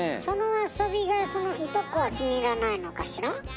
その遊びがそのいとこは気に入らないのかしら？